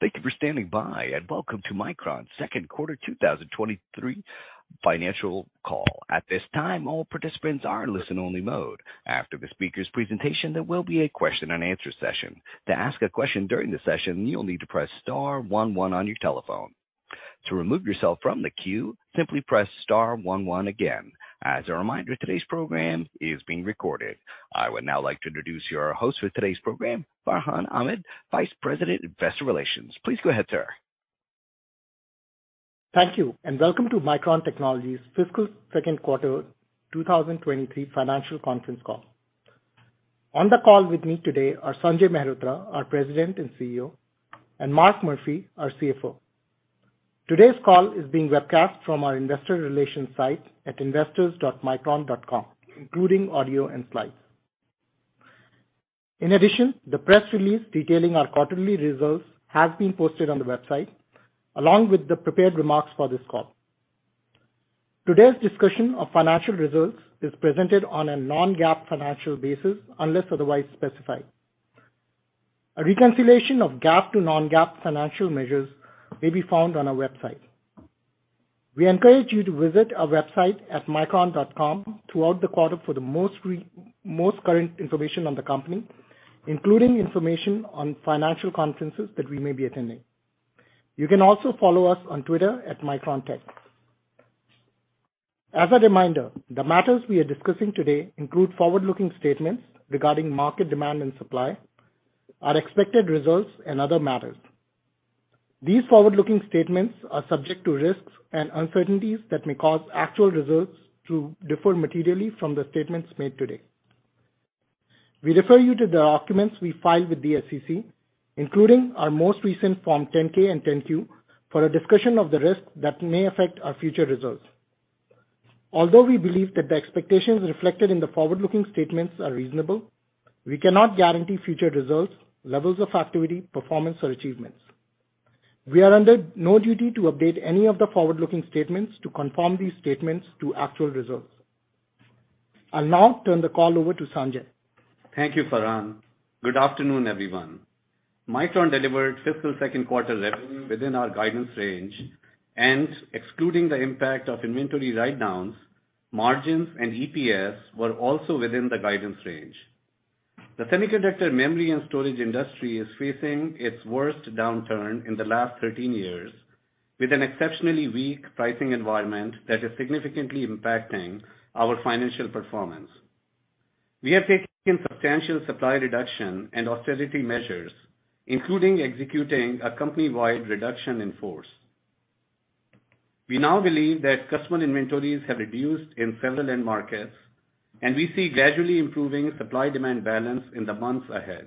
Thank you for standing by, and welcome to Micron's Second Quarter 2023 Financial Call. At this time, all participants are in listen-only mode. After the speaker's presentation, there will be a question-and-answer session. To ask a question during the session, you'll need to press star one one on your telephone. To remove yourself from the queue, simply press star one one again. As a reminder, today's program is being recorded. I would now like to introduce your host for today's program, Farhan Ahmad, Vice President, Investor Relations. Please go ahead, sir. Thank you. Welcome to Micron Technology's fiscal second quarter 2023 financial conference call. On the call with me today are Sanjay Mehrotra, our President and CEO, and Mark Murphy, our CFO. Today's call is being webcast from our investor relations site at investors.micron.com, including audio and slides. In addition, the press release detailing our quarterly results has been posted on the website, along with the prepared remarks for this call. Today's discussion of financial results is presented on a non-GAAP financial basis, unless otherwise specified. A reconciliation of GAAP to non-GAAP financial measures may be found on our website. We encourage you to visit our website at micron.com throughout the quarter for the most current information on the company, including information on financial conferences that we may be attending. You can also follow us on Twitter @MicronTech. As a reminder, the matters we are discussing today include forward-looking statements regarding market demand and supply, our expected results, and other matters. These forward-looking statements are subject to risks and uncertainties that may cause actual results to differ materially from the statements made today. We refer you to the documents we file with the SEC, including our most recent form 10-K and 10-Q, for a discussion of the risks that may affect our future results. Although we believe that the expectations reflected in the forward-looking statements are reasonable, we cannot guarantee future results, levels of activity, performance, or achievements. We are under no duty to update any of the forward-looking statements to confirm these statements to actual results. I'll now turn the call over to Sanjay. Thank you, Farhan. Good afternoon, everyone. Micron delivered fiscal second quarter revenue within our guidance range, and excluding the impact of inventory write-downs, margins and EPS were also within the guidance range. The semiconductor memory and storage industry is facing its worst downturn in the last 13 years, with an exceptionally weak pricing environment that is significantly impacting our financial performance. We have taken substantial supply reduction and austerity measures, including executing a company-wide reduction in force. We now believe that customer inventories have reduced in several end markets, and we see gradually improving supply-demand balance in the months ahead.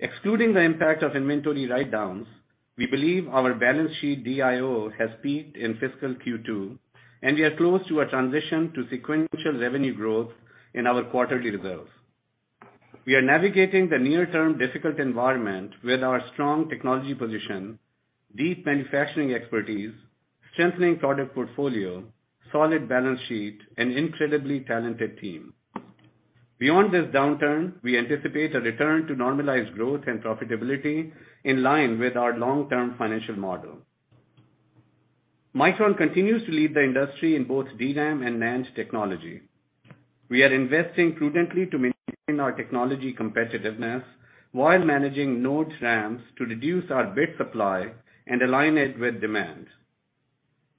Excluding the impact of inventory write-downs, we believe our balance sheet DIO has peaked in fiscal Q2, and we are close to a transition to sequential revenue growth in our quarterly results. We are navigating the near-term difficult environment with our strong technology position, deep manufacturing expertise, strengthening product portfolio, solid balance sheet, and incredibly talented team. Beyond this downturn, we anticipate a return to normalized growth and profitability in line with our long-term financial model. Micron continues to lead the industry in both DRAM and NAND technology. We are investing prudently to maintain our technology competitiveness while managing node ramps to reduce our bit supply and align it with demand.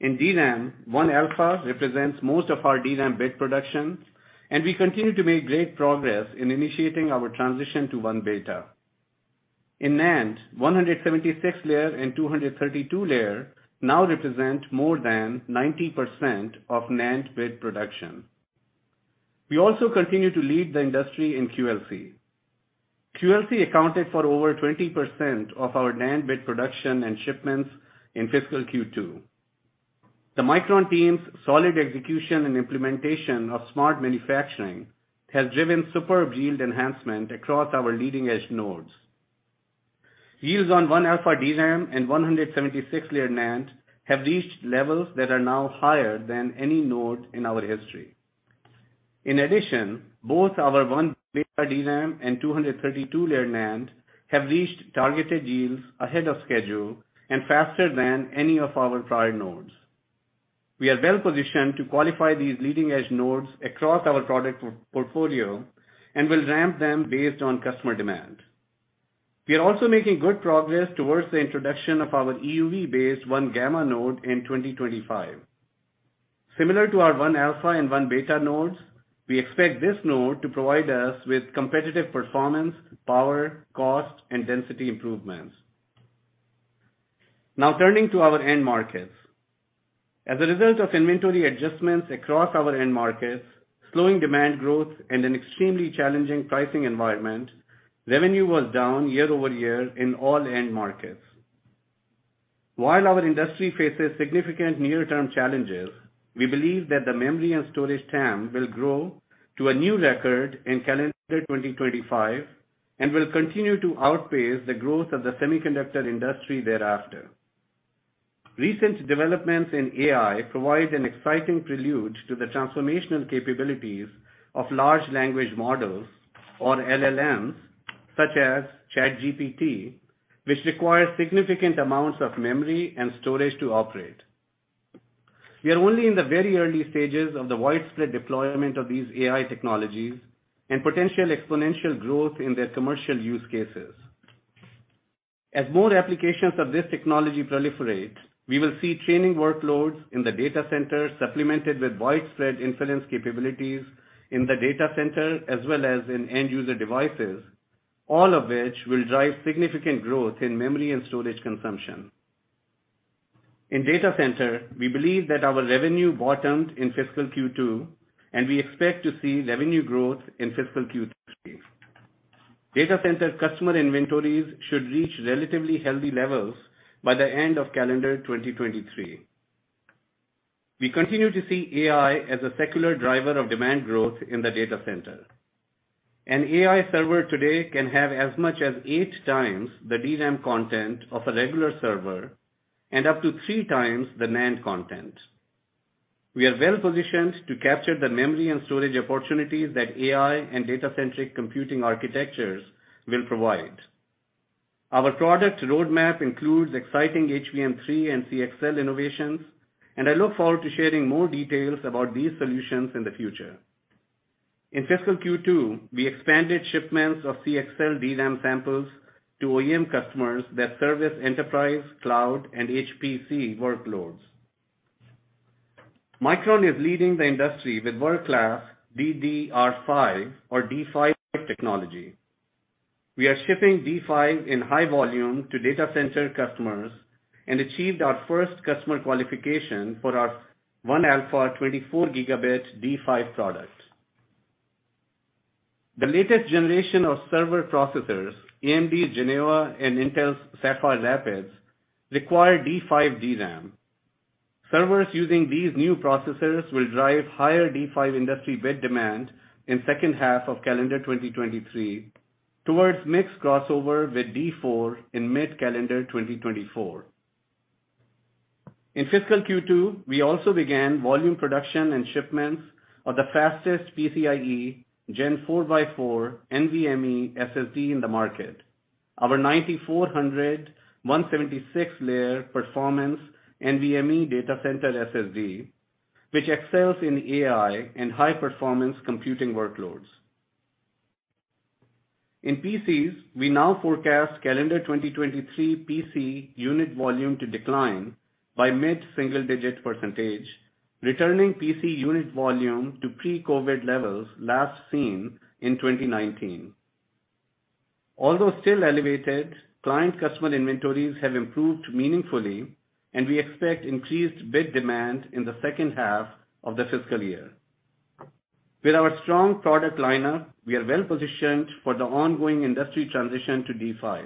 In DRAM, 1α represents most of our DRAM bit production, and we continue to make great progress in initiating our transition to 1β. In NAND, 176 layer and 232 layer now represent more than 90% of NAND bit production. We also continue to lead the industry in QLC. QLC accounted for over 20% of our NAND bit production and shipments in fiscal Q2. The Micron team's solid execution and implementation of smart manufacturing has driven superb yield enhancement across our leading-edge nodes. Yields on 1α DRAM and 176-layer NAND have reached levels that are now higher than any node in our history. In addition, both our 1β DRAM and 232-layer NAND have reached targeted yields ahead of schedule and faster than any of our prior nodes. We are well positioned to qualify these leading-edge nodes across our product portfolio and will ramp them based on customer demand. We are also making good progress towards the introduction of our EUV-based 1γ node in 2025. Similar to our 1α and 1β nodes, we expect this node to provide us with competitive performance, power, cost, and density improvements. Now turning to our end markets. As a result of inventory adjustments across our end markets, slowing demand growth, and an extremely challenging pricing environment, revenue was down year-over-year in all end markets. While our industry faces significant near-term challenges, we believe that the memory and storage TAM will grow to a new record in calendar 2025 and will continue to outpace the growth of the semiconductor industry thereafter. Recent developments in AI provide an exciting prelude to the transformational capabilities of Large Language Models or LLMs, such as ChatGPT, which require significant amounts of memory and storage to operate. We are only in the very early stages of the widespread deployment of these AI technologies and potential exponential growth in their commercial use cases. As more applications of this technology proliferate, we will see training workloads in the data center supplemented with widespread inference capabilities in the data center, as well as in end user devices, all of which will drive significant growth in memory and storage consumption. In data center, we believe that our revenue bottomed in fiscal Q2. We expect to see revenue growth in fiscal Q3. Data center customer inventories should reach relatively healthy levels by the end of calendar 2023. We continue to see AI as a secular driver of demand growth in the data center. An AI server today can have as much as eight times the DRAM content of a regular server and up to three times the NAND content. We are well positioned to capture the memory and storage opportunities that AI and data-centric computing architectures will provide. Our product roadmap includes exciting HBM3 and CXL innovations. I look forward to sharing more details about these solutions in the future. In fiscal Q2, we expanded shipments of CXL DRAM samples to OEM customers that service enterprise, cloud, and HPC workloads. Micron is leading the industry with world-class DDR5 or D5 technology. We are shipping D5 in high volume to data center customers and achieved our first customer qualification for our 1α 24 Gb D5 product. The latest generation of server processors, AMD's Genoa and Intel's Sapphire Rapids, require D5 DRAM. Servers using these new processors will drive higher D5 industry bit demand in second half of calendar 2023 towards mixed crossover with D4 in mid-calendar 2024. In fiscal Q2, we also began volume production and shipments of the fastest PCIe Gen4 x4 NVMe SSD in the market. Our 9400 176-layer performance NVMe data center SSD, which excels in AI and high-performance computing workloads. In PCs, we now forecast calendar 2023 PC unit volume to decline by mid-single digit percentage, returning PC unit volume to pre-COVID levels last seen in 2019. Still elevated, client customer inventories have improved meaningfully, and we expect increased bit demand in the second half of the fiscal year. With our strong product lineup, we are well positioned for the ongoing industry transition to D5.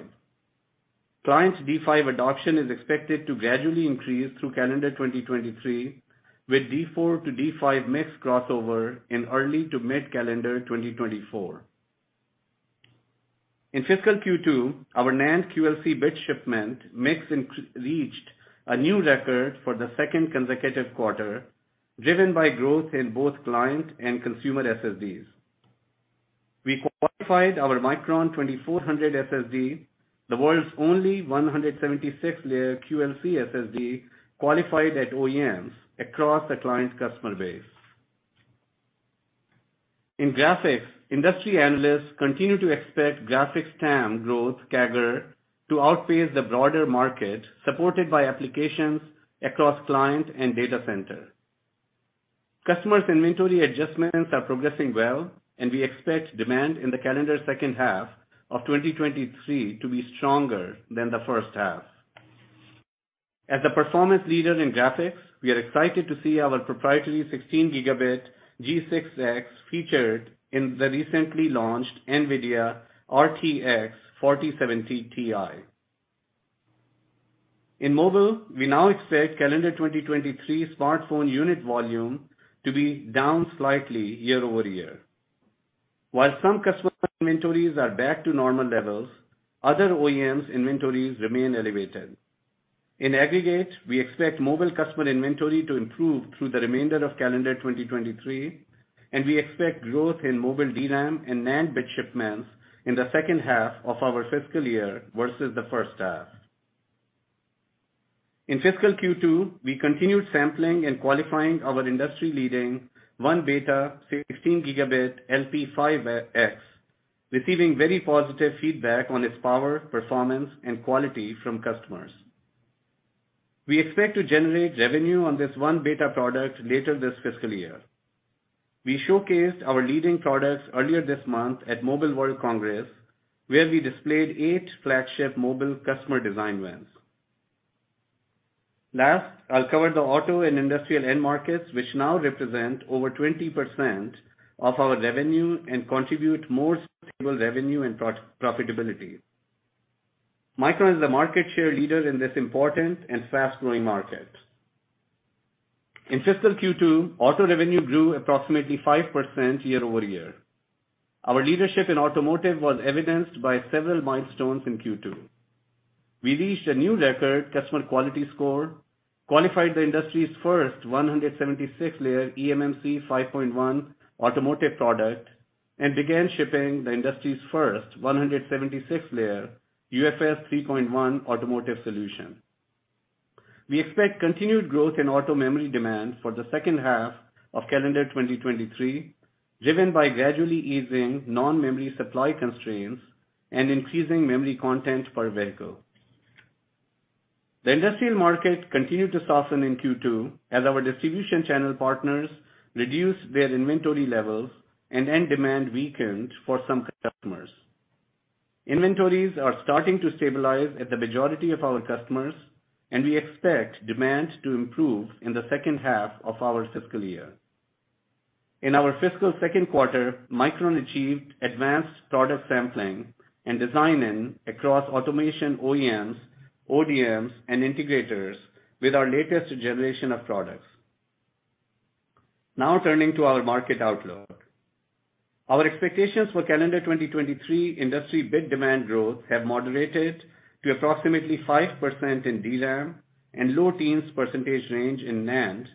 Client D5 adoption is expected to gradually increase through calendar 2023, with D4 to D5 mix crossover in early to mid-calendar 2024. In fiscal Q2, our NAND QLC bit shipment mix reached a new record for the second consecutive quarter, driven by growth in both client and consumer SSDs. We qualified our Micron 2400 SSD, the world's only 176-layer QLC SSD qualified at OEMs across the client customer base. In graphics, industry analysts continue to expect graphics TAM growth CAGR to outpace the broader market, supported by applications across client and data center. Customers' inventory adjustments are progressing well, we expect demand in the calendar second half of 2023 to be stronger than the first half. As a performance leader in graphics, we are excited to see our proprietary 16 Gb G6X featured in the recently launched NVIDIA RTX 4070 Ti. In mobile, we now expect calendar 2023 smartphone unit volume to be down slightly year-over-year. While some customer inventories are back to normal levels, other OEM inventories remain elevated. In aggregate, we expect mobile customer inventory to improve through the remainder of calendar 2023, and we expect growth in mobile DRAM and NAND bit shipments in the second half of our fiscal year versus the first half. In fiscal Q2, we continued sampling and qualifying our industry-leading 1β 16 Gb LP5X, receiving very positive feedback on its power, performance and quality from customers. We expect to generate revenue on this 1β product later this fiscal year. We showcased our leading products earlier this month at Mobile World Congress, where we displayed eight flagship mobile customer design wins. Last, I'll cover the auto and industrial end markets, which now represent over 20% of our revenue and contribute more stable revenue and profitability. Micron is the market share leader in this important and fast-growing market. In fiscal Q2, auto revenue grew approximately 5% year-over-year. Our leadership in automotive was evidenced by several milestones in Q2. We reached a new record customer quality score, qualified the industry's first 176-layer eMMC 5.1 automotive product, and began shipping the industry's first 176-layer UFS 3.1 automotive solution. We expect continued growth in auto memory demand for the second half of calendar 2023, driven by gradually easing non-memory supply constraints and increasing memory content per vehicle. The industrial market continued to soften in Q2 as our distribution channel partners reduced their inventory levels and end demand weakened for some customers. Inventories are starting to stabilize at the majority of our customers, and we expect demand to improve in the second half of our fiscal year. In our fiscal second quarter, Micron achieved advanced product sampling and designing across automation OEMs, ODMs, and integrators with our latest generation of products. Turning to our market outlook. Our expectations for calendar 2023 industry bit demand growth have moderated to approximately 5% in DRAM and low teens percentage range in NAND,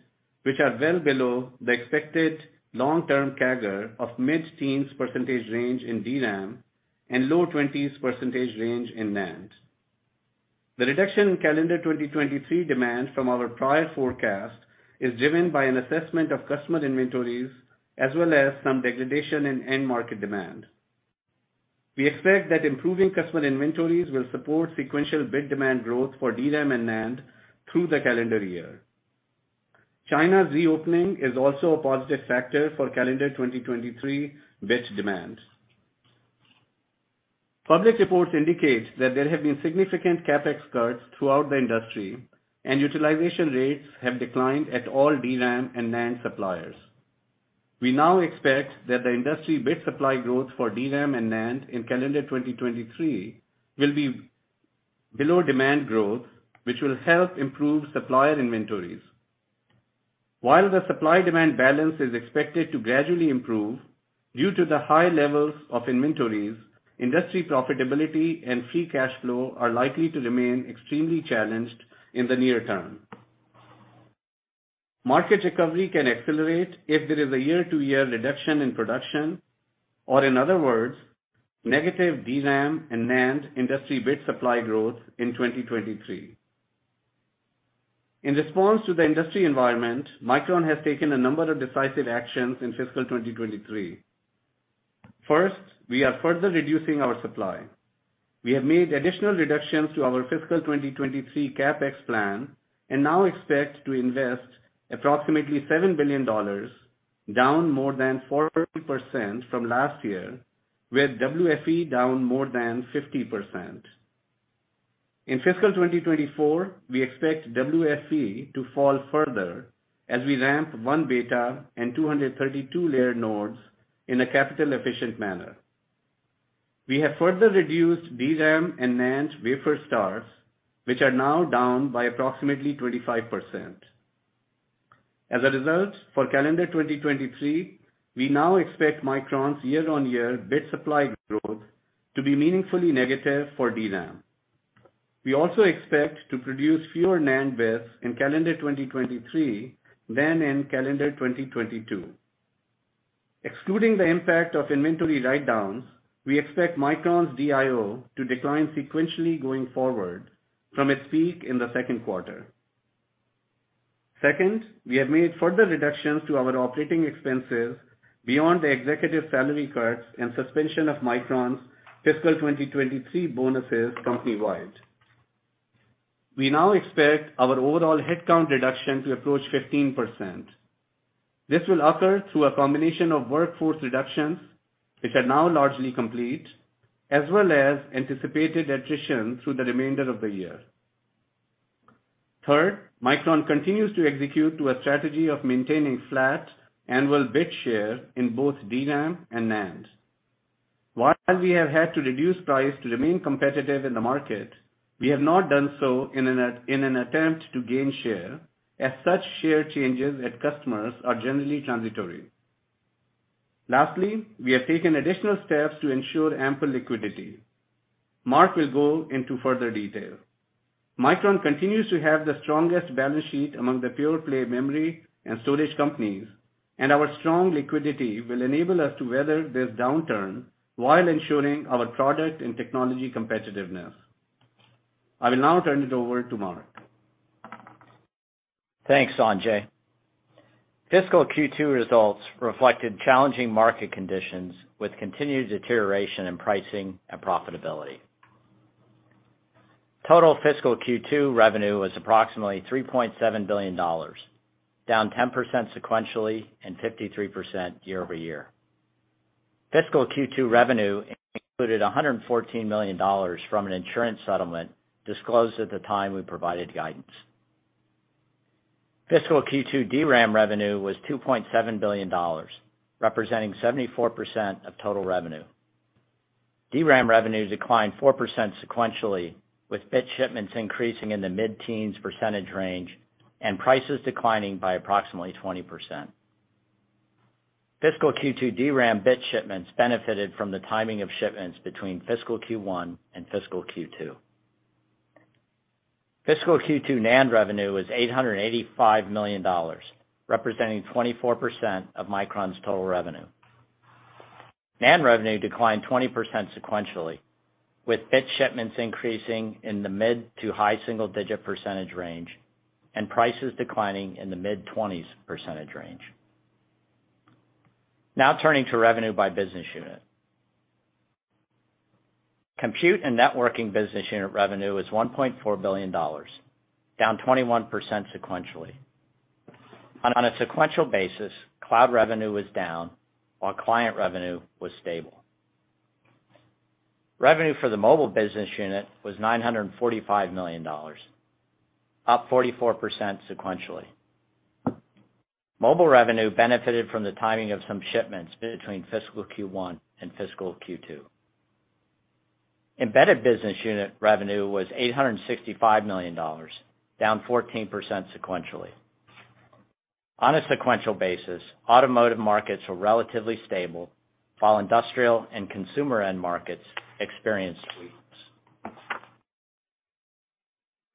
which are well below the expected long-term CAGR of mid-teens percentage range in DRAM and low twenties percentage range in NAND. The reduction in calendar 2023 demand from our prior forecast is driven by an assessment of customer inventories as well as some degradation in end market demand. We expect that improving customer inventories will support sequential bit demand growth for DRAM and NAND through the calendar year. China's reopening is also a positive factor for calendar 2023 bit demand. Public reports indicate that there have been significant CapEx cuts throughout the industry, and utilization rates have declined at all DRAM and NAND suppliers. We now expect that the industry bit supply growth for DRAM and NAND in calendar 2023 will be below demand growth, which will help improve supplier inventories. While the supply demand balance is expected to gradually improve, due to the high levels of inventories, industry profitability and free cash flow are likely to remain extremely challenged in the near-term. Market recovery can accelerate if there is a year-to-year reduction in production, or in other words, negative DRAM and NAND industry bit supply growth in 2023. In response to the industry environment, Micron has taken a number of decisive actions in fiscal 2023. First, we are further reducing our supply. We have made additional reductions to our fiscal 2023 CapEx plan and now expect to invest approximately $7 billion, down more than 4% from last year, with WFE down more than 50%. In fiscal 2024, we expect WFE to fall further as we ramp 1β and 232 layer nodes in a capital efficient manner. We have further reduced DRAM and NAND wafer starts, which are now down by approximately 25%. For calendar 2023, we now expect Micron's year-on-year bit supply growth to be meaningfully negative for DRAM. We also expect to produce fewer NAND bits in calendar 2023 than in calendar 2022. Excluding the impact of inventory write-downs, we expect Micron's DIO to decline sequentially going forward from its peak in the second quarter. Second, we have made further reductions to our operating expenses beyond the executive salary cuts and suspension of Micron's fiscal 2023 bonuses company-wide. We now expect our overall headcount reduction to approach 15%. This will occur through a combination of workforce reductions, which are now largely complete, as well as anticipated attrition through the remainder of the year. Third, Micron continues to execute to a strategy of maintaining flat annual bit share in both DRAM and NAND. While we have had to reduce price to remain competitive in the market, we have not done so in an attempt to gain share, as such share changes at customers are generally transitory. Lastly, we have taken additional steps to ensure ample liquidity. Mark will go into further detail. Micron continues to have the strongest balance sheet among the pure play memory and storage companies, and our strong liquidity will enable us to weather this downturn while ensuring our product and technology competitiveness. I will now turn it over to Mark. Thanks, Sanjay. Fiscal Q2 results reflected challenging market conditions with continued deterioration in pricing and profitability. Total fiscal Q2 revenue was approximately $3.7 billion, down 10% sequentially and 53% year-over-year. Fiscal Q2 revenue included $114 million from an insurance settlement disclosed at the time we provided guidance. Fiscal Q2 DRAM revenue was $2.7 billion, representing 74% of total revenue. DRAM revenue declined 4% sequentially, with bit shipments increasing in the mid-teens percentage range and prices declining by approximately 20%. Fiscal Q2 DRAM bit shipments benefited from the timing of shipments between fiscal Q1 and fiscal Q2. Fiscal Q2 NAND revenue was $885 million, representing 24% of Micron's total revenue. NAND revenue declined 20% sequentially, with bit shipments increasing in the mid to high single-digit percentage range and prices declining in the mid-20s percentage range. Turning to revenue by business unit. Compute and networking business unit revenue is $1.4 billion, down 21% sequentially. On a sequential basis, cloud revenue was down while client revenue was stable. Revenue for the mobile business unit was $945 million, up 44% sequentially. Mobile revenue benefited from the timing of some shipments between fiscal Q1 and fiscal Q2. Embedded business unit revenue was $865 million, down 14% sequentially. On a sequential basis, automotive markets were relatively stable, while industrial and consumer end markets experienced weakness.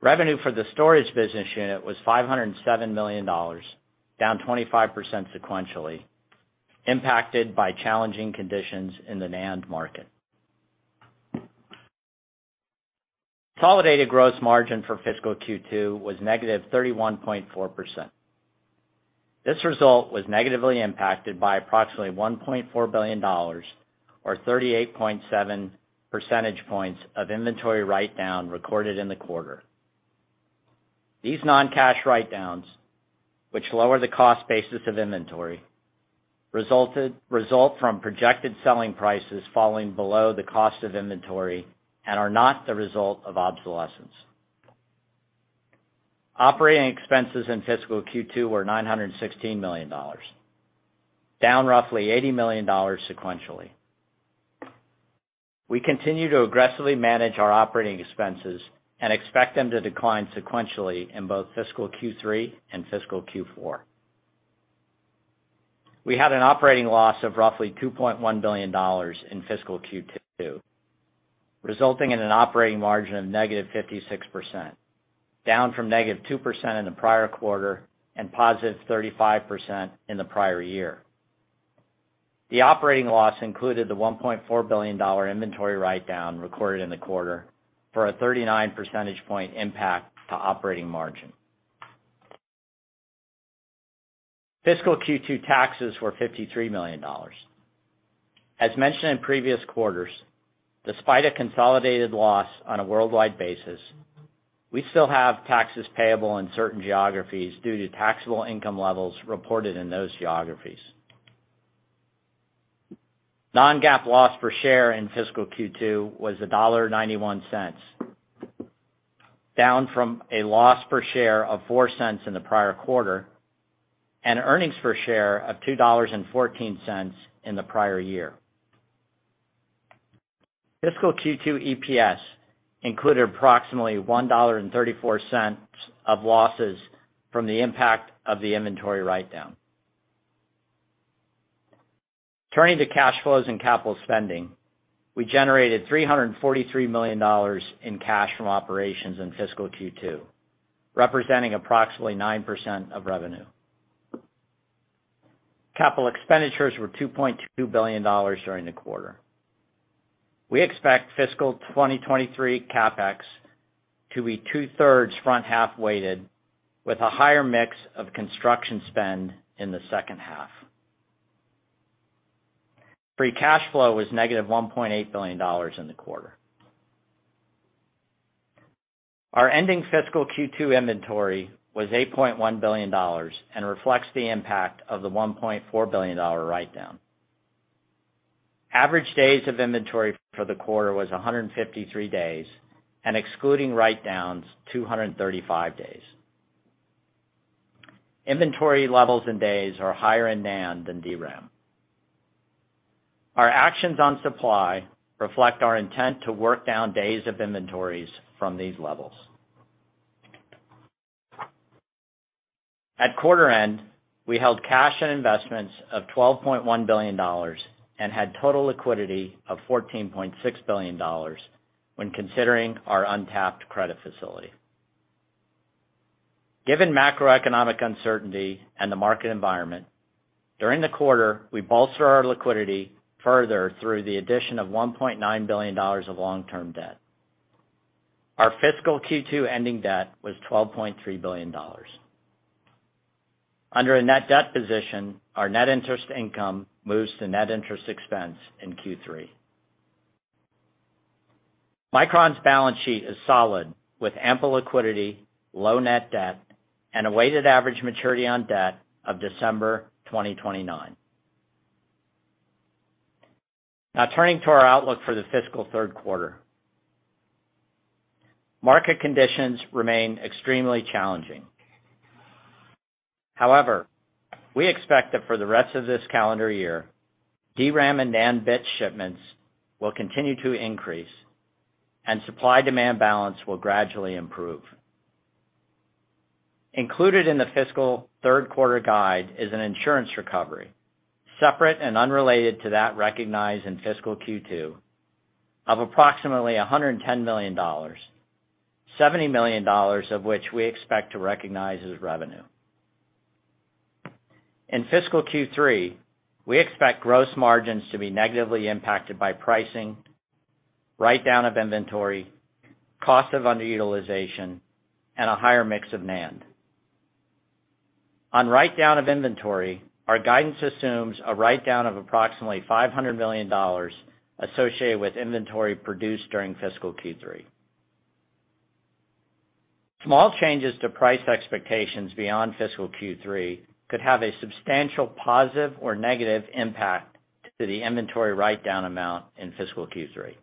Revenue for the storage business unit was $507 million, down 25% sequentially, impacted by challenging conditions in the NAND market. Consolidated gross margin for fiscal Q2 was -31.4%. This result was negatively impacted by approximately $1.4 billion, or 38.7 percentage points of inventory write-down recorded in the quarter. These non-cash write-downs, which lower the cost basis of inventory, result from projected selling prices falling below the cost of inventory and are not the result of obsolescence. Operating expenses in fiscal Q2 were $916 million, down roughly $80 million sequentially. We continue to aggressively manage our operating expenses and expect them to decline sequentially in both fiscal Q3 and fiscal Q4. We had an operating loss of roughly $2.1 billion in fiscal Q2, resulting in an operating margin of negative 56%, down from negative 2% in the prior quarter and positive 35% in the prior year. The operating loss included the $1.4 billion inventory write-down recorded in the quarter, for a 39 percentage point impact to operating margin. Fiscal Q2 taxes were $53 million. As mentioned in previous quarters, despite a consolidated loss on a worldwide basis, we still have taxes payable in certain geographies due to taxable income levels reported in those geographies. non-GAAP loss per share in fiscal Q2 was $1.91, down from a loss per share of $0.04 in the prior quarter, and earnings per share of $2.14 in the prior year. Fiscal Q2 EPS included approximately $1.34 of losses from the impact of the inventory write-down. Turning to cash flows and capital spending. We generated $343 million in cash from operations in fiscal Q2, representing approximately 9% of revenue. Capital expenditures were $2.2 billion during the quarter. We expect fiscal 2023 CapEx to be 2/3 front half weighted, with a higher mix of construction spend in the second half. Free cash flow was negative $1.8 billion in the quarter. Our ending fiscal Q2 inventory was $8.1 billion and reflects the impact of the $1.4 billion write-down. Average days of inventory for the quarter was 153 days, and excluding write-downs, 235 days. Inventory levels and days are higher in NAND than DRAM. Our actions on supply reflect our intent to work down days of inventories from these levels. At quarter end, we held cash and investments of $12.1 billion and had total liquidity of $14.6 billion when considering our untapped credit facility. Given macroeconomic uncertainty and the market environment, during the quarter, we bolster our liquidity further through the addition of $1.9 billion of long-term debt. Our fiscal Q2 ending debt was $12.3 billion. Under a net debt position, our net interest income moves to net interest expense in Q3. Micron's balance sheet is solid, with ample liquidity, low net debt, and a weighted average maturity on debt of December 2029. Turning to our outlook for the fiscal third quarter. Market conditions remain extremely challenging. We expect that for the rest of this calendar year, DRAM and NAND bit shipments will continue to increase and supply-demand balance will gradually improve. Included in the fiscal third quarter guide is an insurance recovery, separate and unrelated to that recognized in fiscal Q2, of approximately $110 million, $70 million of which we expect to recognize as revenue. In fiscal Q3, we expect gross margins to be negatively impacted by pricing, write-down of inventory, cost of underutilization, and a higher mix of NAND. On write-down of inventory, our guidance assumes a write-down of approximately $500 million associated with inventory produced during fiscal Q3. Small changes to price expectations beyond fiscal Q3 could have a substantial positive or negative impact to the inventory write-down amount in fiscal Q3.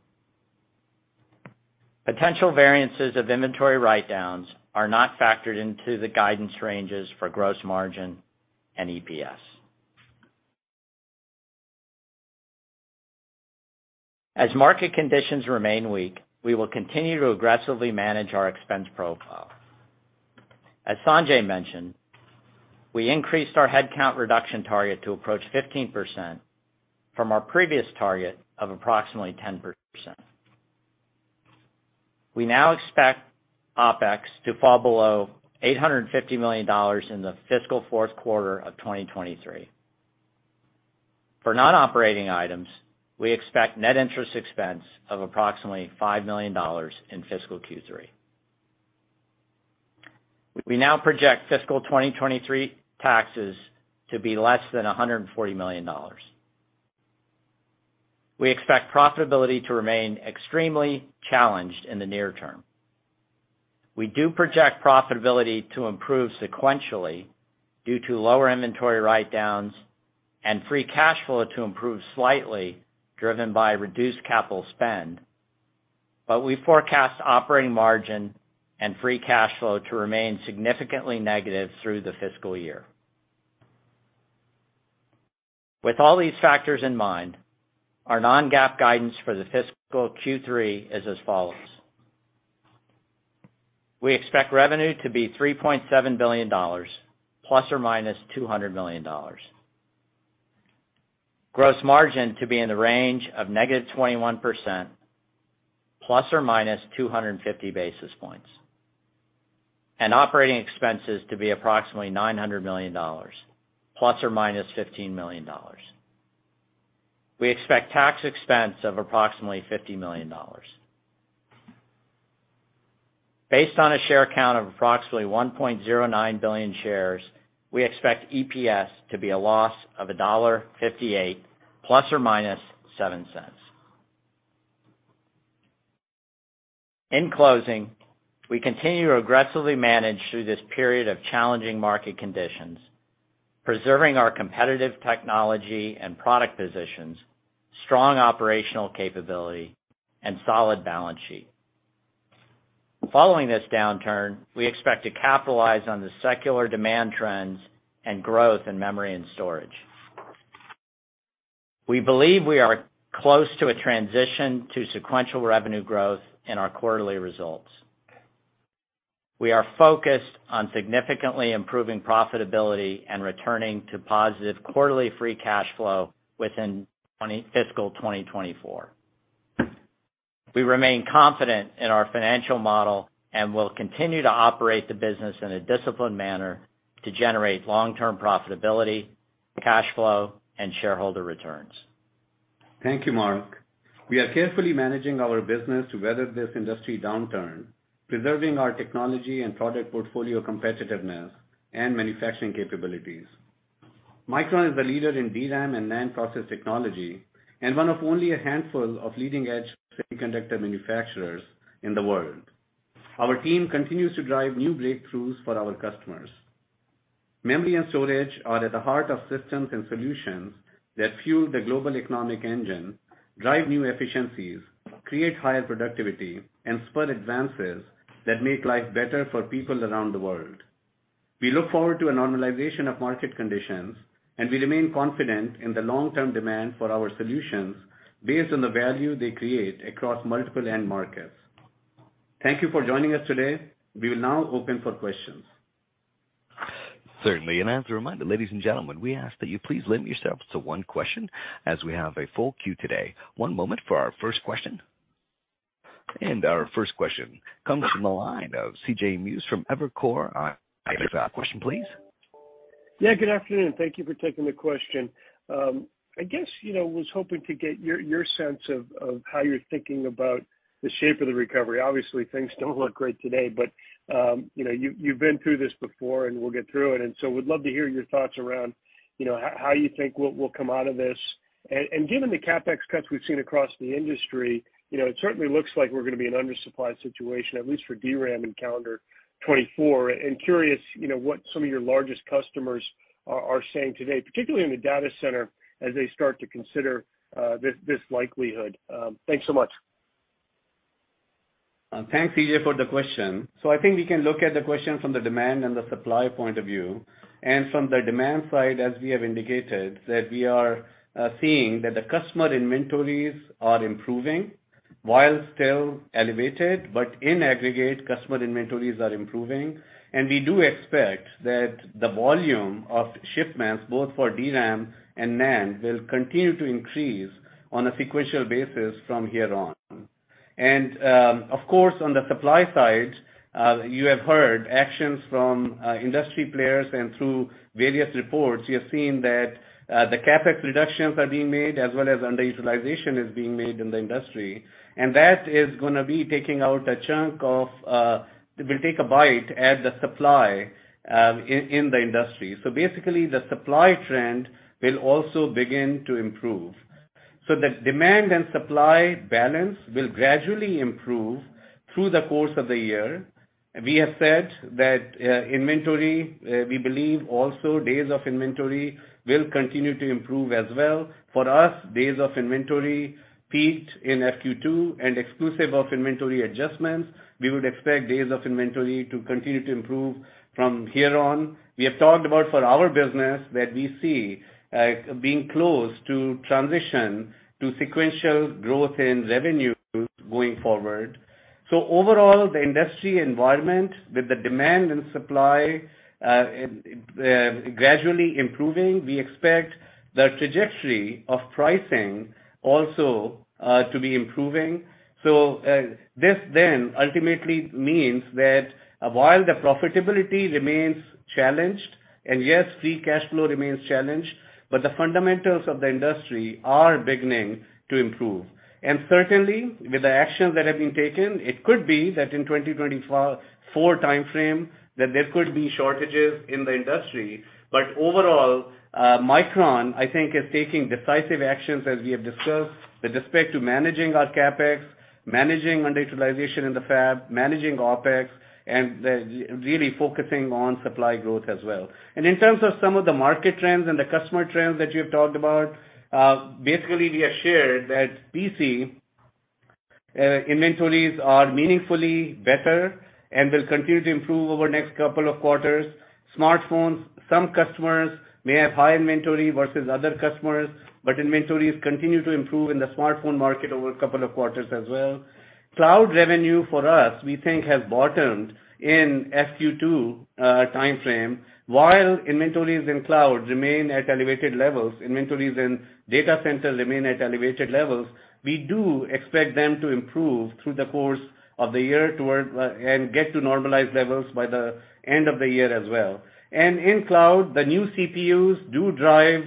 Potential variances of inventory write-downs are not factored into the guidance ranges for gross margin and EPS. As market conditions remain weak, we will continue to aggressively manage our expense profile. As Sanjay mentioned, we increased our headcount reduction target to approach 15% from our previous target of approximately 10%. We now expect OpEx to fall below $850 million in the fiscal fourth quarter of 2023. For non-operating items, we expect net interest expense of approximately $5 million in fiscal Q3. We now project fiscal 2023 taxes to be less than $140 million. We expect profitability to remain extremely challenged in the near-term. We do project profitability to improve sequentially due to lower inventory write-downs and free cash flow to improve slightly, driven by reduced capital spend. We forecast operating margin and free cash flow to remain significantly negative through the fiscal year. With all these factors in mind, our non-GAAP guidance for the fiscal Q3 is as follows. We expect revenue to be $3.7 billion ±$200 million. Gross margin to be in the range of -21% ±250 basis points, and operating expenses to be approximately $900 million ±$15 million. We expect tax expense of approximately $50 million. Based on a share count of approximately 1.09 billion shares, we expect EPS to be a loss of $1.58 ±$0.07. In closing, we continue to aggressively manage through this period of challenging market conditions, preserving our competitive technology and product positions, strong operational capability, and solid balance sheet. Following this downturn, we expect to capitalize on the secular demand trends and growth in memory and storage. We believe we are close to a transition to sequential revenue growth in our quarterly results. We are focused on significantly improving profitability and returning to positive quarterly free cash flow within fiscal 2024. We remain confident in our financial model and will continue to operate the business in a disciplined manner to generate long-term profitability, cash flow, and shareholder returns. Thank you, Mark. We are carefully managing our business to weather this industry downturn, preserving our technology and product portfolio competitiveness and manufacturing capabilities. Micron is the leader in DRAM and NAND process technology and one of only a handful of leading-edge semiconductor manufacturers in the world. Our team continues to drive new breakthroughs for our customers. Memory and storage are at the heart of systems and solutions that fuel the global economic engine, drive new efficiencies, create higher productivity, and spur advances that make life better for people around the world. We look forward to a normalization of market conditions, and we remain confident in the long-term demand for our solutions based on the value they create across multiple end markets. Thank you for joining us today. We will now open for questions. Certainly. As a reminder, ladies and gentlemen, we ask that you please limit yourselves to one question as we have a full queue today. One moment for our first question. Our first question comes from the line of CJ Muse from Evercore. Question, please. Yeah, good afternoon. Thank you for taking the question. I guess, you know, was hoping to get your sense of how you're thinking about the shape of the recovery. Obviously, things don't look great today, but, you know, you've been through this before, and we'll get through it. We'd love to hear your thoughts around, you know, how you think we'll come out of this. Given the CapEx cuts we've seen across the industry, you know, it certainly looks like we're gonna be an undersupply situation, at least for DRAM in calendar 2024. Curious, you know, what some of your largest customers are saying today, particularly in the data center as they start to consider this likelihood. Thanks so much. Thanks, CJ, for the question. I think we can look at the question from the demand and the supply point of view. From the demand side, as we have indicated, that we are seeing that the customer inventories are improving while still elevated, but in aggregate, customer inventories are improving. We do expect that the volume of shipments, both for DRAM and NAND, will continue to increase on a sequential basis from here on. Of course, on the supply side, you have heard actions from industry players and through various reports, you have seen that the CapEx reductions are being made as well as underutilization is being made in the industry. That is gonna be taking out a chunk of, it will take a bite at the supply in the industry. Basically, the supply trend will also begin to improve. The demand and supply balance will gradually improve through the course of the year. We have said that inventory, we believe also days of inventory will continue to improve as well. For us, days of inventory peaked in FQ2 and exclusive of inventory adjustments, we would expect days of inventory to continue to improve from here on. We have talked about for our business that we see being close to transition to sequential growth in revenue going forward. Overall, the industry environment with the demand and supply gradually improving, we expect the trajectory of pricing also to be improving. This then ultimately means that while the profitability remains challenged, and yes, free cash flow remains challenged, but the fundamentals of the industry are beginning to improve. Certainly, with the actions that have been taken, it could be that in 2024 timeframe, that there could be shortages in the industry. Overall, Micron, I think, is taking decisive actions, as we have discussed, with respect to managing our CapEx, managing underutilization in the fab, managing OpEx, and really focusing on supply growth as well. In terms of some of the market trends and the customer trends that you have talked about, basically, we have shared that PC inventories are meaningfully better and will continue to improve over the next couple of quarters. Smartphones, some customers may have high inventory versus other customers, but inventories continue to improve in the smartphone market over a couple of quarters as well. Cloud revenue for us, we think has bottomed in FQ2 timeframe. While inventories in cloud remain at elevated levels, inventories in data centers remain at elevated levels, we do expect them to improve through the course of the year towards and get to normalized levels by the end of the year as well. In cloud, the new CPUs do drive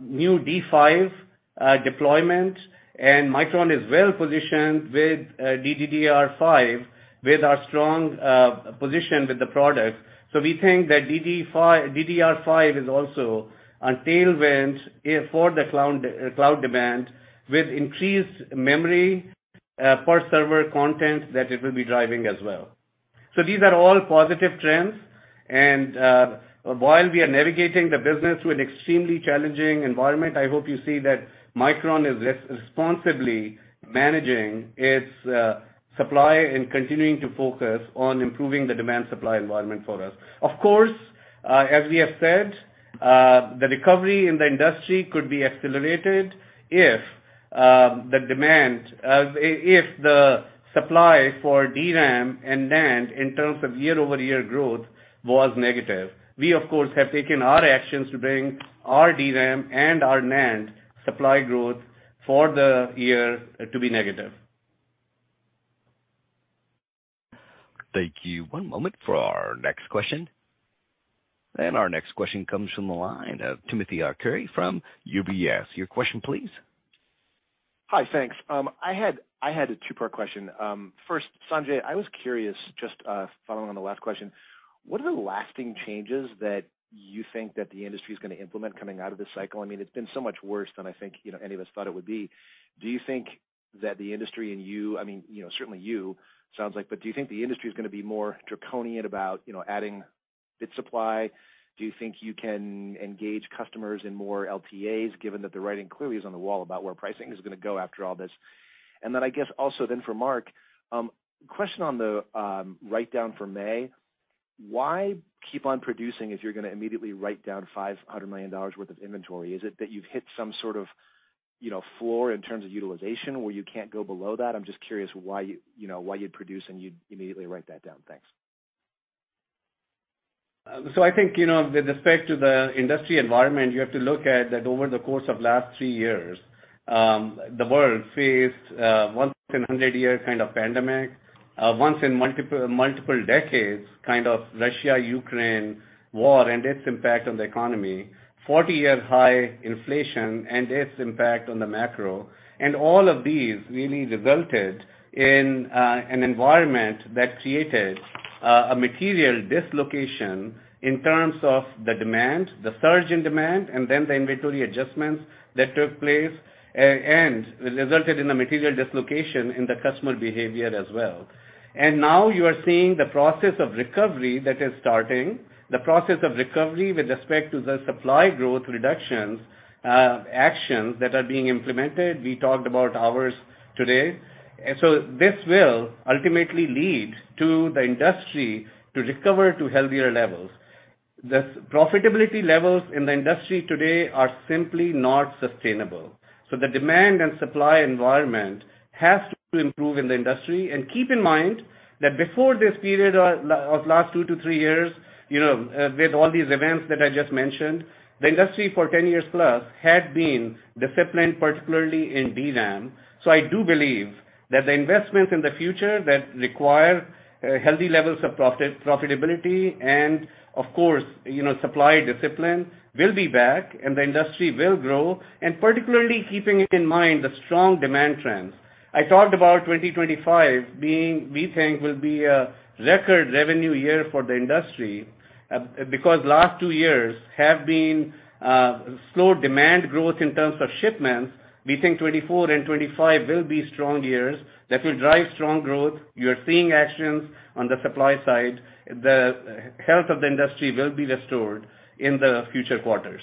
new D5 deployment, and Micron is well-positioned with DDR5 with our strong position with the product. We think that DDR5 is also a tailwind for the cloud demand with increased memory per server content that it will be driving as well. These are all positive trends, and while we are navigating the business with extremely challenging environment, I hope you see that Micron is responsibly managing its supply and continuing to focus on improving the demand supply environment for us. Of course, as we have said, the recovery in the industry could be accelerated if the demand, if the supply for DRAM and NAND in terms of year-over-year growth was negative. We, of course, have taken our actions to bring our DRAM and our NAND supply growth for the year to be negative. Thank you. One moment for our next question. Our next question comes from the line of Timothy Arcuri from UBS. Your question, please. Hi, thanks. I had a two-part question. First, Sanjay, I was curious, just following on the last question, what are the lasting changes that you think that the industry is gonna implement coming out of this cycle? I mean, it's been so much worse than I think, you know, any of us thought it would be. Do you think that the industry and you, I mean, you know, certainly you, sounds like, but do you think the industry is gonna be more draconian about, you know, adding bit supply? Do you think you can engage customers in more LTAs, given that the writing clearly is on the wall about where pricing is gonna go after all this? I guess also then for Mark, question on the write-down for May. Why keep on producing if you're gonna immediately write down $500 million worth of inventory? Is it that you've hit some sort of, you know, floor in terms of utilization where you can't go below that? I'm just curious why you know, why you'd produce and you'd immediately write that down. Thanks. I think, you know, with respect to the industry environment, you have to look at that over the course of last three years. The world faced once in a 100-year kind of pandemic, once in multiple decades kind of Russia-Ukraine war and its impact on the economy, 40-year high inflation and its impact on the macro. All of these really resulted in an environment that created a material dislocation in terms of the demand, the surge in demand, and then the inventory adjustments that took place and resulted in a material dislocation in the customer behavior as well. Now you are seeing the process of recovery that is starting, the process of recovery with respect to the supply growth reductions, actions that are being implemented. We talked about ours today. This will ultimately lead to the industry to recover to healthier levels. The profitability levels in the industry today are simply not sustainable. The demand and supply environment has to improve in the industry. Keep in mind that before this period of last two to three years, you know, with all these events that I just mentioned, the industry for 10 years plus had been disciplined, particularly in DRAM. I do believe that the investments in the future that require healthy levels of profitability and of course, you know, supply discipline will be back, and the industry will grow, and particularly keeping in mind the strong demand trends. I talked about 2025 being, we think will be a record revenue year for the industry, because last two years have been slow demand growth in terms of shipments. We think 2024 and 2025 will be strong years that will drive strong growth. You are seeing actions on the supply side. The health of the industry will be restored in the future quarters.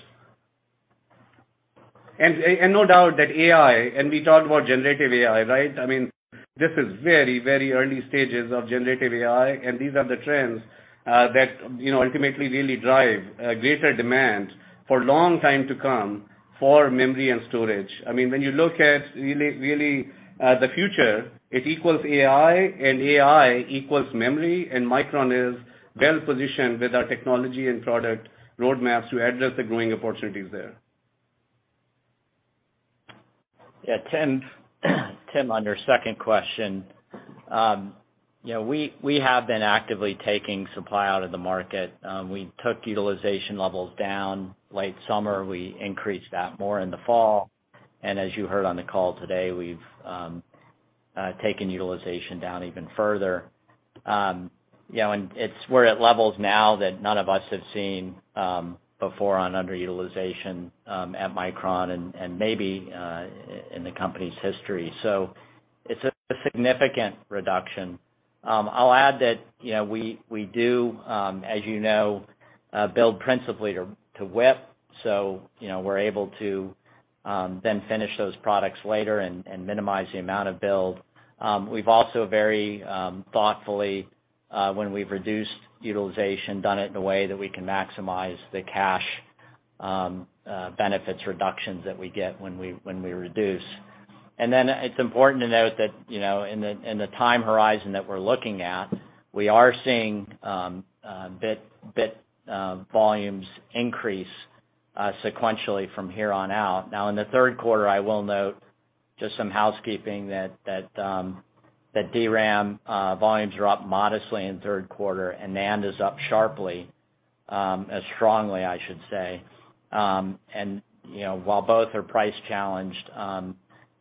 No doubt that AI, and we talked about generative AI, right? I mean, this is very, very early stages of generative AI, and these are the trends that, you know, ultimately really drive greater demand for long time to come for memory and storage. I mean, when you look at really, really the future, it equals AI, and AI equals memory, and Micron is well positioned with our technology and product roadmaps to address the growing opportunities there. Yeah, Tim, on your second question, you know, we have been actively taking supply out of the market. We took utilization levels down late summer. We increased that more in the fall. As you heard on the call today, we've taken utilization down even further. You know, we're at levels now that none of us have seen before on underutilization at Micron and maybe in the company's history. It's a significant reduction. I'll add that, you know, we do, as you know, build principally to WIP, you know, we're able to then finish those products later and minimize the amount of build. We've also very thoughtfully, when we've reduced utilization, done it in a way that we can maximize the cash benefits reductions that we get when we reduce. It's important to note that, you know, in the time horizon that we're looking at, we are seeing bit volumes increase sequentially from here on out. Now in the third quarter, I will note just some housekeeping that DRAM volumes are up modestly in third quarter, and NAND is up sharply, strongly, I should say. You know, while both are price challenged,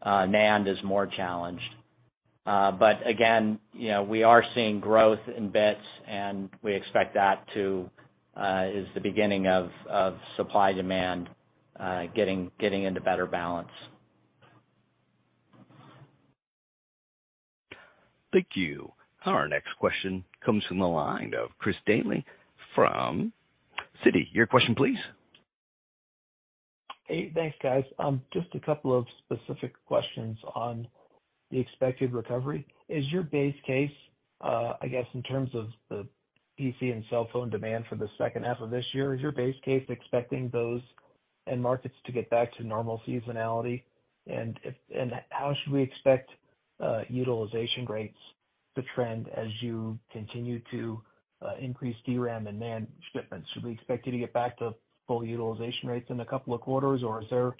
NAND is more challenged. Again, you know, we are seeing growth in bits, and we expect that to is the beginning of supply-demand getting into better balance. Thank you. Our next question comes from the line of Chris Danely from Citi. Your question please. Hey, thanks, guys. Just a couple of specific questions on the expected recovery. Is your base case, I guess in terms of the PC and cell phone demand for the second half of this year, is your base case expecting those end markets to get back to normal seasonality? How should we expect utilization rates to trend as you continue to increase DRAM and NAND shipments? Should we expect you to get back to full utilization rates in a couple of quarters, or is there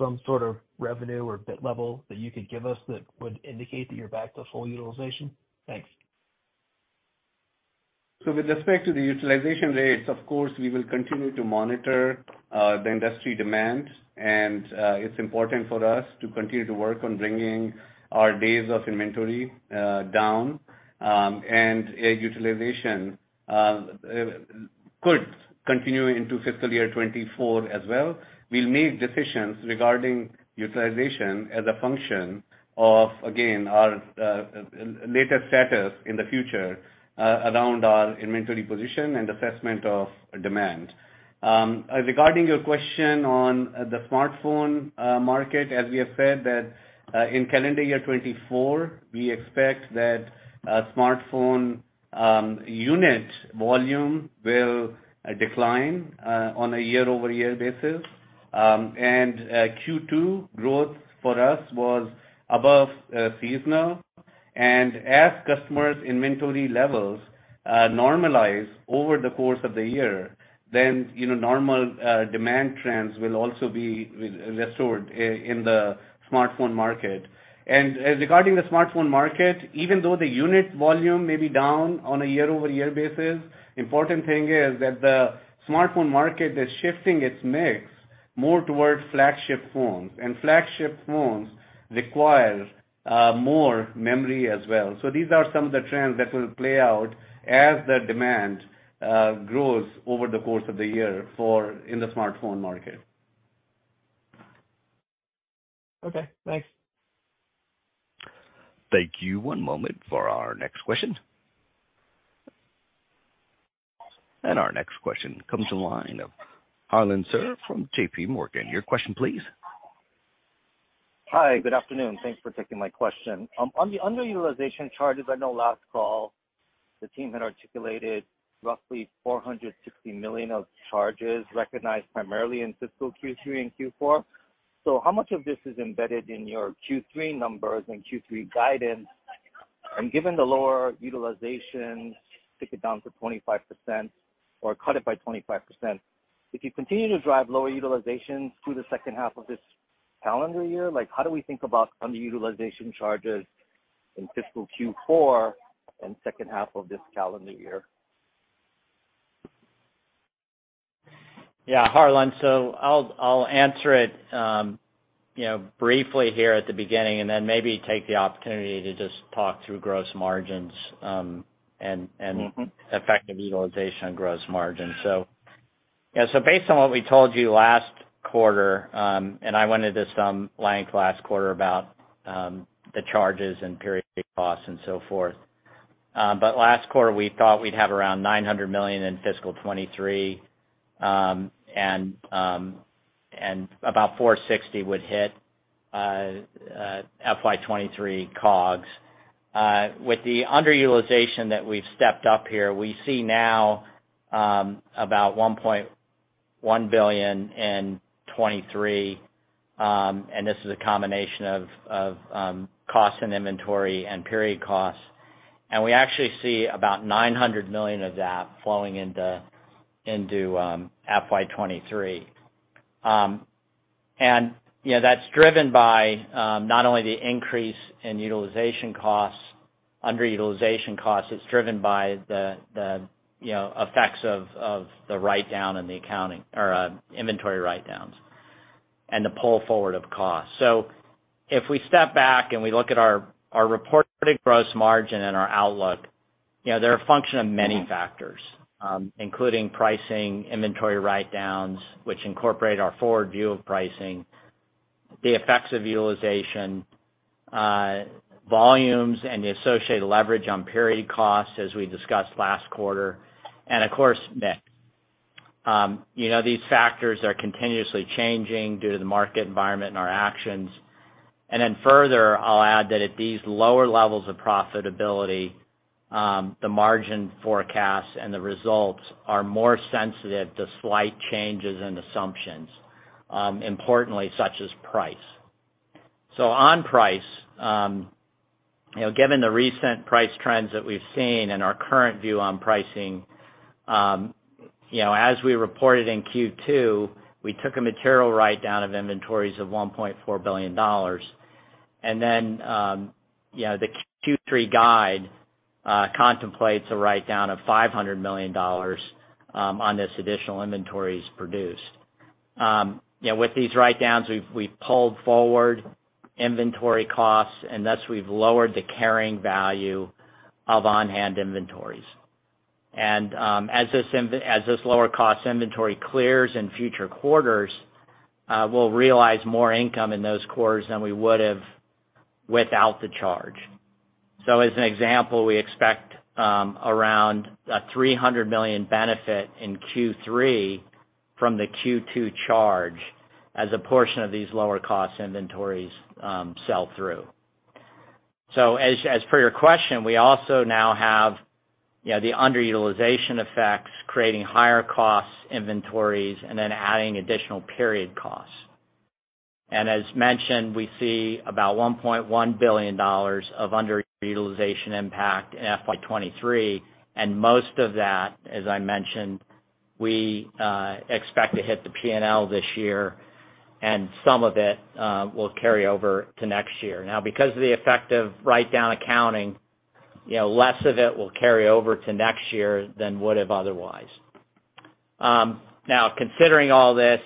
some sort of revenue or bit level that you could give us that would indicate that you're back to full utilization? Thanks. With respect to the utilization rates, of course, we will continue to monitor the industry demand. It's important for us to continue to work on bringing our days of inventory down, and utilization could continue into fiscal year 2024 as well. We'll make decisions regarding utilization as a function of, again, our later status in the future, around our inventory position and assessment of demand. Regarding your question on the smartphone market, as we have said that in calendar year 2024, we expect that smartphone unit volume will decline on a year-over-year basis. Q2 growth for us was above seasonal. As customers' inventory levels normalize over the course of the year, then, you know, normal demand trends will also be restored in the smartphone market. Regarding the smartphone market, even though the unit volume may be down on a year-over-year basis, important thing is that the smartphone market is shifting its mix more towards flagship phones, and flagship phones require more memory as well. These are some of the trends that will play out as the demand grows over the course of the year in the smartphone market. Okay, thanks. Thank you. One moment for our next question. Our next question comes in line of Harlan Sur from JPMorgan. Your question, please. Hi, good afternoon. Thanks for taking my question. On the underutilization charges, I know last call the team had articulated roughly $460 million of charges recognized primarily in fiscal Q3 and Q4. How much of this is embedded in your Q3 numbers and Q3 guidance? Given the lower utilization, take it down to 25% or cut it by 25%. If you continue to drive lower utilizations through the second half of this calendar year, like how do we think about underutilization charges in fiscal Q4 and second half of this calendar year? Yeah, Harlan. I'll answer it, you know, briefly here at the beginning, maybe take the opportunity to just talk through gross margins Mm-hmm. effective utilization on gross margin. Yeah. Based on what we told you last quarter, and I went into this at length last quarter about the charges and period costs and so forth. Last quarter, we thought we'd have around $900 million in fiscal 2023, and about $460 million would hit FY 2023 COGS. With the underutilization that we've stepped up here, we see now about $1.1 billion in 2023, and this is a combination of cost and inventory and period costs. We actually see about $900 million of that flowing into FY 2023. You know, that's driven by, not only the increase in utilization costs, underutilization costs, it's driven by the, you know, effects of the write-down in the accounting or, inventory write-downs and the pull forward of costs. If we step back and we look at our reported gross margin and our outlook, you know, they're a function of many factors, including pricing, inventory write-downs, which incorporate our forward view of pricing, the effects of utilization, volumes, and the associated leverage on period costs, as we discussed last quarter. Of course, mix. You know, these factors are continuously changing due to the market environment and our actions. Further, I'll add that at these lower levels of profitability, the margin forecasts and the results are more sensitive to slight changes in assumptions, importantly, such as price. On price, you know, given the recent price trends that we've seen and our current view on pricing, you know, as we reported in Q2, we took a material write-down of inventories of $1.4 billion. You know, the Q3 guide contemplates a write-down of $500 million on this additional inventories produced. You know, with these write-downs, we've pulled forward inventory costs, and thus, we've lowered the carrying value of on-hand inventories. As this lower cost inventory clears in future quarters, we'll realize more income in those quarters than we would have without the charge. As an example, we expect around a $300 million benefit in Q3 from the Q2 charge as a portion of these lower cost inventories sell through. As per your question, we also now have, you know, the underutilization effects, creating higher cost inventories and then adding additional period costs. As mentioned, we see about $1.1 billion of underutilization impact in FY 2023. Most of that, as I mentioned, we expect to hit the P&L this year, and some of it will carry over to next year. Because of the effect of write-down accounting, you know, less of it will carry over to next year than would have otherwise. Considering all this,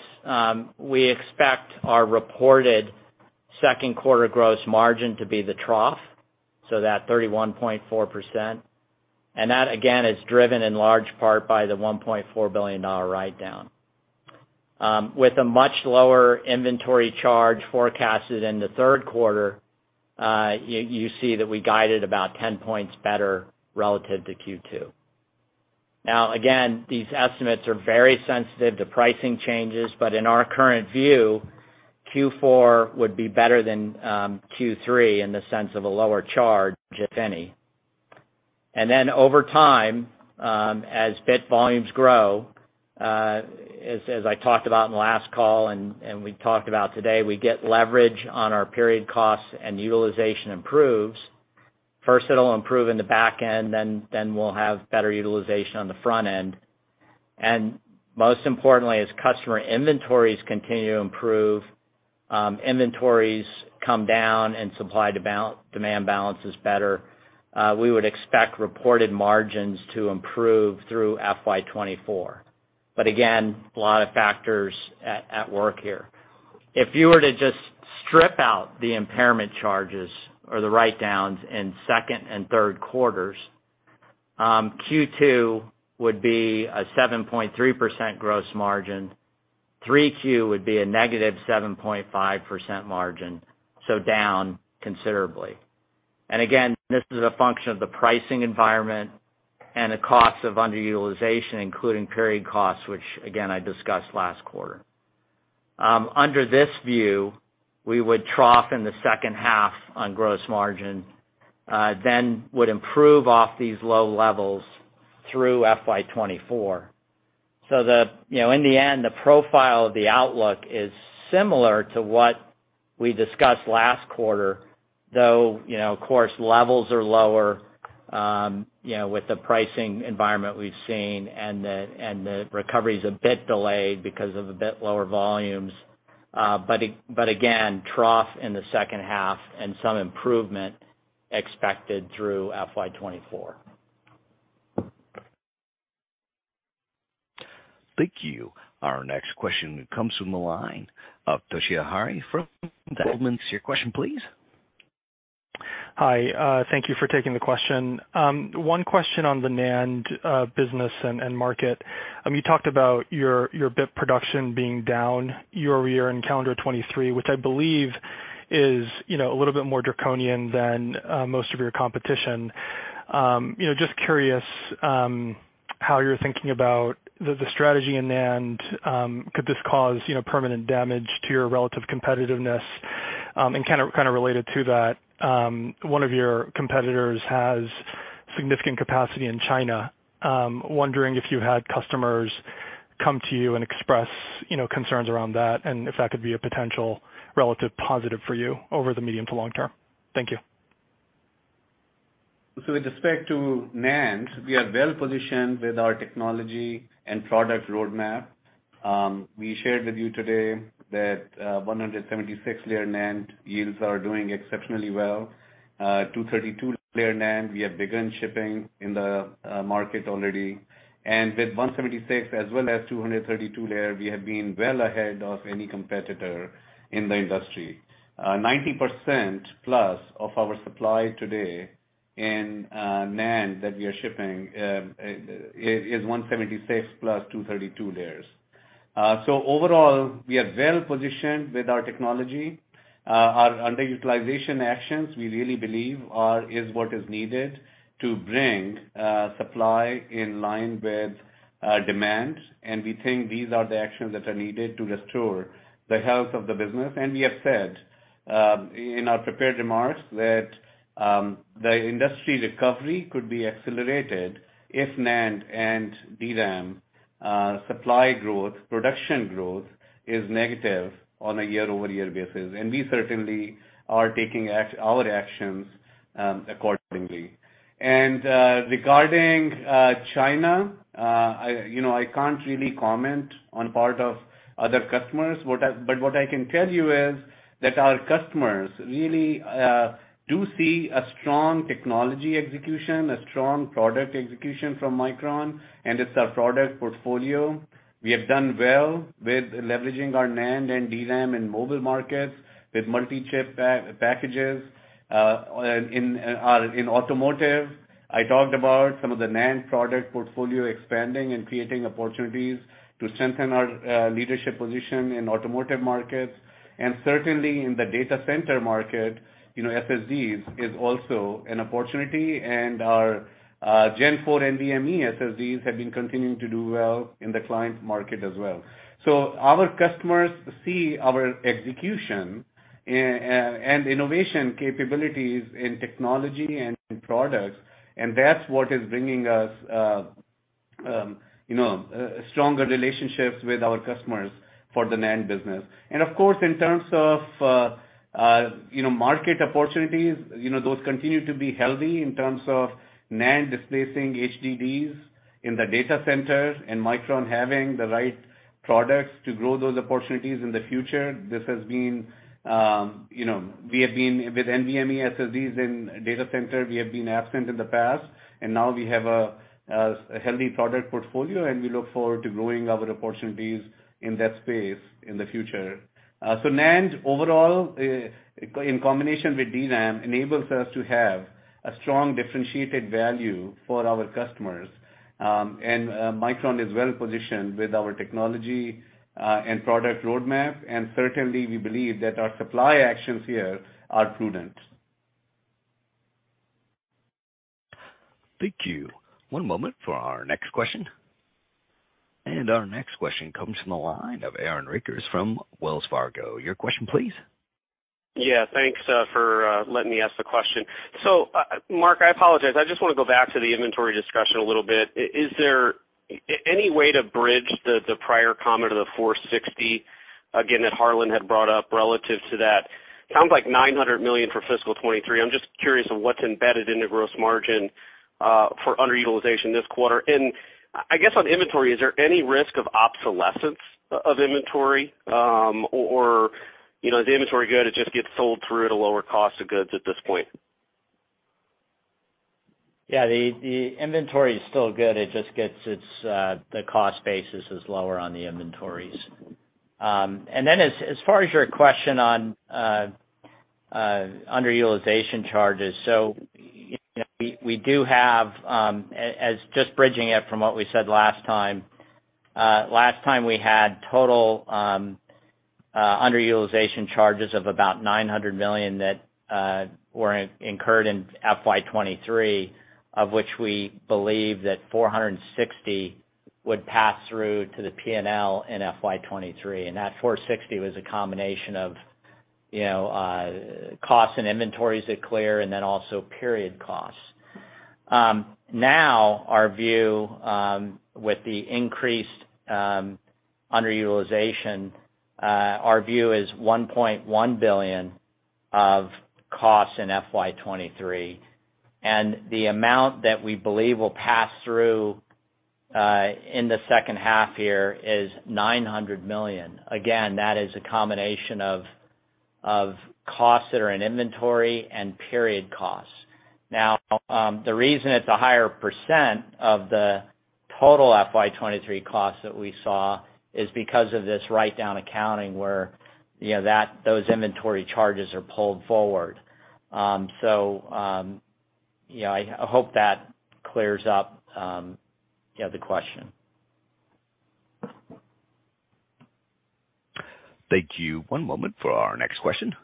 we expect our reported second quarter gross margin to be the trough, so that 31.4%. That, again, is driven in large part by the $1.4 billion write-down. With a much lower inventory charge forecasted in the third quarter, you see that we guided about 10 points better relative to Q2. Now, again, these estimates are very sensitive to pricing changes, but in our current view, Q4 would be better than Q3 in the sense of a lower charge, if any. Over time, as bit volumes grow, as I talked about in the last call and we talked about today, we get leverage on our period costs and utilization improves. First, it'll improve in the back end, then we'll have better utilization on the front end. Most importantly, as customer inventories continue to improve, inventories come down and supply to demand balance is better, we would expect reported margins to improve through FY 2024. Again, a lot of factors at work here. If you were to just strip out the impairment charges or the write-downs in second and third quarters. Q2 would be a 7.3% gross margin. 3Q would be a -7.5% margin, so down considerably. Again, this is a function of the pricing environment and the cost of underutilization, including period costs, which again, I discussed last quarter. Under this view, we would trough in the second half on gross margin, then would improve off these low levels through FY 2024. You know, in the end, the profile of the outlook is similar to what we discussed last quarter, though, you know, of course, levels are lower, you know, with the pricing environment we've seen and the recovery is a bit delayed because of a bit lower volumes. Again, trough in the second half and some improvement expected through FY 2024. Thank you. Our next question comes from the line of Toshiya Hari from Goldman. Your question, please. Hi, thank you for taking the question. One question on the NAND business and market. You talked about your bit production being down year-over-year in calendar 2023, which I believe is, you know, a little bit more draconian than most of your competition. You know, just curious how you're thinking about the strategy in NAND. Could this cause, you know, permanent damage to your relative competitiveness? Kind of related to that, one of your competitors has significant capacity in China. Wondering if you had customers come to you and express, you know, concerns around that, and if that could be a potential relative positive for you over the medium to long-term. Thank you. With respect to NAND, we are well positioned with our technology and product roadmap. We shared with you today that 176-layer NAND yields are doing exceptionally well. 232-layer NAND, we have begun shipping in the market already. With 176 as well as 232-layer, we have been well ahead of any competitor in the industry. 90%+ of our supply today in NAND that we are shipping, is 176 plus 232 layers. Overall, we are well positioned with our technology. Our underutilization actions, we really believe is what is needed to bring supply in line with demand. We think these are the actions that are needed to restore the health of the business. We have said in our prepared remarks that the industry recovery could be accelerated if NAND and DRAM supply growth, production growth is negative on a year-over-year basis. We certainly are taking our actions accordingly. Regarding China, I, you know, I can't really comment on part of other customers. What I can tell you is that our customers really do see a strong technology execution, a strong product execution from Micron, and it's our product portfolio. We have done well with leveraging our NAND and DRAM in mobile markets with multi-chip packages. In automotive, I talked about some of the NAND product portfolio expanding and creating opportunities to strengthen our leadership position in automotive markets. Certainly in the data center market, you know, SSDs is also an opportunity, and our Gen4 NVMe SSDs have been continuing to do well in the client market as well. Our customers see our execution and innovation capabilities in technology and in products, and that's what is bringing us, you know, stronger relationships with our customers for the NAND business. Of course, in terms of, you know, market opportunities, you know, those continue to be healthy in terms of NAND displacing HDDs in the data centers and Micron having the right products to grow those opportunities in the future. This has been, you know, we have been, with NVMe SSDs in data center, we have been absent in the past, and now we have a healthy product portfolio, and we look forward to growing our opportunities in that space in the future. NAND overall, in combination with DRAM, enables us to have a strong differentiated value for our customers. Micron is well positioned with our technology and product roadmap. Certainly, we believe that our supply actions here are prudent. Thank you. One moment for our next question. Our next question comes from the line of Aaron Rakers from Wells Fargo. Your question, please. Yeah, thanks for letting me ask the question. Mark, I apologize. I just wanna go back to the inventory discussion a little bit. Is there any way to bridge the prior comment of the $460, again, that Harlan had brought up relative to that? Sounds like $900 million for fiscal 2023. I'm just curious on what's embedded in the gross margin for underutilization this quarter. I guess on inventory, is there any risk of obsolescence of inventory, or, you know, is the inventory good, it just gets sold through at a lower COGS at this point? Yeah. The inventory is still good. It just gets its the cost basis is lower on the inventories. As far as your question on underutilization charges. You know, we do have, as just bridging it from what we said last time. Last time we had total underutilization charges of about $900 million that were incurred in FY 2023. Of which we believe that $460 would pass through to the P&L in FY 2023, and that $460 was a combination of, you know, costs and inventories at clear and then also period costs. Now our view, with the increased underutilization, ou r view is $1.1 billion of costs in FY 2023. The amount that we believe will pass through in the second half here is $900 million. Again, that is a combination of costs that are in inventory and period costs. The reason it's a higher percent of the total FY 2023 costs that we saw is because of this write-down accounting where, you know, those inventory charges are pulled forward. You know, I hope that clears up, you know, the question. Thank you. One moment for our next question.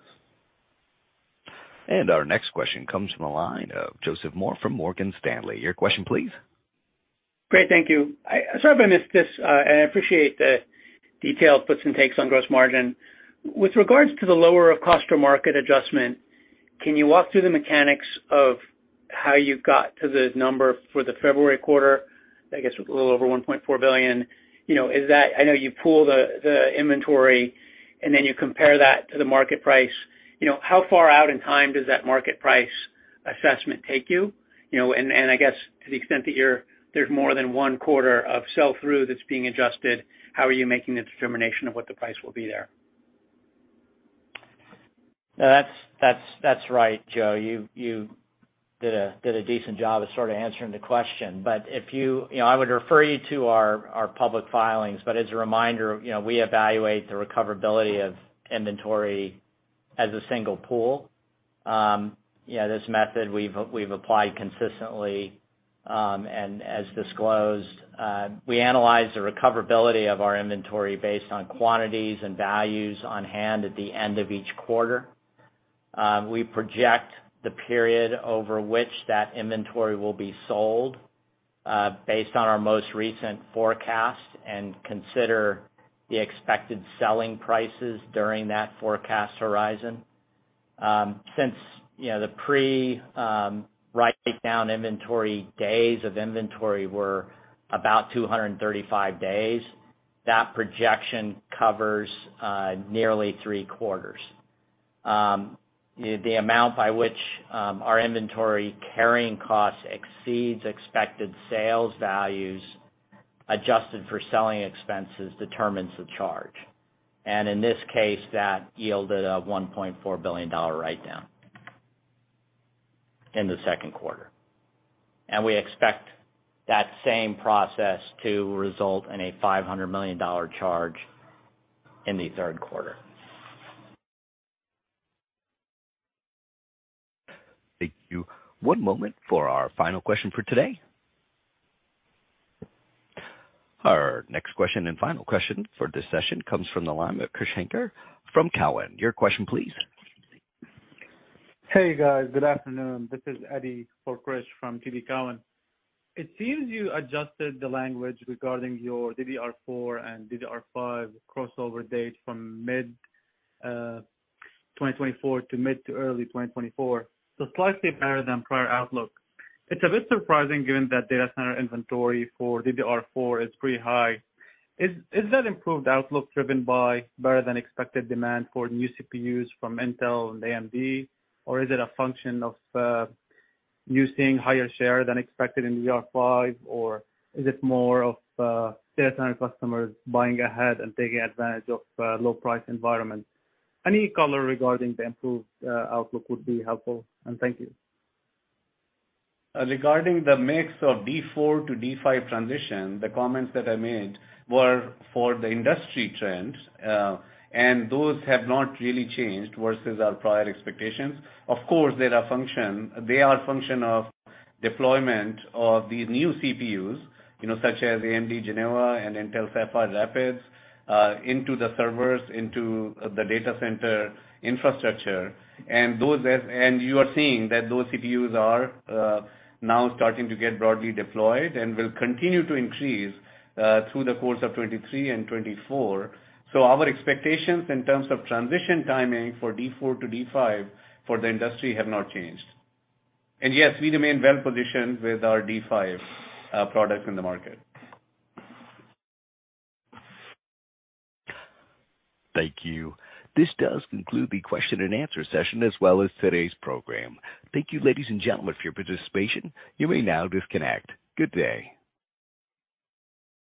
Our next question comes from the line of Joseph Moore from Morgan Stanley. Your question please. Great. Thank you. I, sorry if I missed this, and I appreciate the detailed puts and takes on gross margin. With regards to the lower of cost or market adjustment, can you walk through the mechanics of how you got to the number for the February quarter? I guess a little over $1.4 billion. You know, is that... I know you pool the inventory and then you compare that to the market price. You know, how far out in time does that market price assessment take you? You know, and I guess to the extent that there's more than one quarter of sell through that's being adjusted, how are you making the determination of what the price will be there? No, that's right, Joe. You did a decent job of sort of answering the question. You know, I would refer you to our public filings. As a reminder, you know, we evaluate the recoverability of inventory as a single pool. You know, this method we've applied consistently, and as disclosed, we analyze the recoverability of our inventory based on quantities and values on hand at the end of each quarter. We project the period over which that inventory will be sold, based on our most recent forecast and consider the expected selling prices during that forecast horizon. Since, you know, the pre write down inventory days of inventory were about 235 days, that projection covers nearly three quarters. The amount by which our inventory carrying costs exceeds expected sales values adjusted for selling expenses determines the charge. In this case, that yielded a $1.4 billion write down in the second quarter. We expect that same process to result in a $500 million charge in the third quarter. Thank you. One moment for our final question for today. Our next question and final question for this session comes from the line with Krish Sankar from Cowen. Your question please. Hey, guys. Good afternoon. This is Eddy for Krish from TD Cowen. It seems you adjusted the language regarding your DDR4 and DDR5 crossover date from mid-2024 to mid to early 2024, so slightly better than prior outlook. It's a bit surprising given that data center inventory for DDR4 is pretty high. Is that improved outlook driven by better than expected demand for new CPUs from Intel and AMD? Or is it a function of you seeing higher share than expected in DDR5? Or is it more of data center customers buying ahead and taking advantage of low price environments? Any color regarding the improved outlook would be helpful. Thank you. Regarding the mix of D4 to D5 transition, the comments that I made were for the industry trends, and those have not really changed versus our prior expectations. Of course, they are a function of deployment of these new CPUs, you know, such as AMD Genoa and Intel Sapphire Rapids, into the servers, into the data center infrastructure. You are seeing that those CPUs are now starting to get broadly deployed and will continue to increase through the course of 2023 and 2024. Our expectations in terms of transition timing for D4 to D5 for the industry have not changed. Yes, we remain well positioned with our D5 products in the market. Thank you. This does conclude the question and answer session as well as today's program. Thank you, ladies and gentlemen, for your participation. You may now disconnect. Good day.